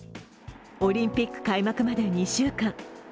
オリンピック開幕まで２週間。